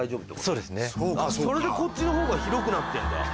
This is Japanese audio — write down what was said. それでこっちのほうが広くなってんだ。